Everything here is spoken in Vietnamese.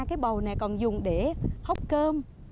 cái bầu này còn dùng để hốc cơm